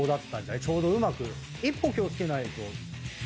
ちょうどうまく一歩気を付けないと。